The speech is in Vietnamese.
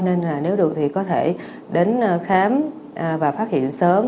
nên là nếu được thì có thể đến khám và phát hiện sớm